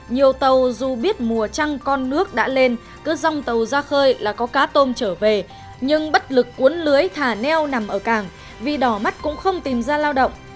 nhiều tàu dù biết mùa trăng con nước đã lên cứ dòng tàu ra khơi là có cá tôm trở về nhưng bất lực cuốn lưới thả neo nằm ở cảng vì đỏ mắt cũng không tìm ra lao động